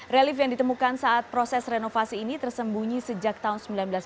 relief yang ditemukan saat proses renovasi ini tersembunyi sejak tahun seribu sembilan ratus sembilan puluh